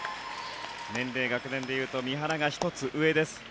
年齢、学年でいうと三原が１つ上です。